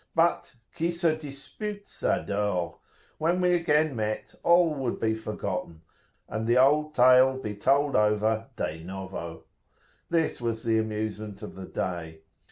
But "qui se dispute, s'adore" when we again met all would be forgotten, and the old tale be told over de novo. This was the amusement of the day.